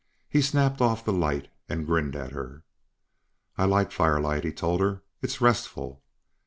He snapped off the light and grinned at her. "I like firelight," he told her. "It's restful."